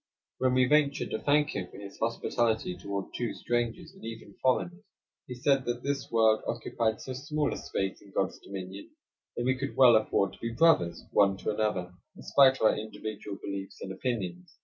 When we ventured to thank him for his hospitality toward two strangers, and even foreigners, he said that this world occupied so small a space in God's dominion, that we could well afford to be brothers, one to another, in spite I 35 of our individual beliefs and opinions.